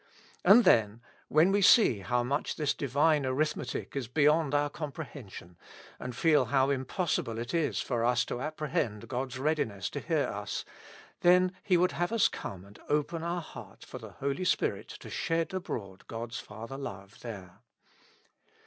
And then, when we see how much this Divine arithmetic is beyond our comprehension, and feel how impossible it is for us to apprehend God's readiness to hear us, then He would have us come and open our heart for the Holy Spirit to shed abroad God's Father love there.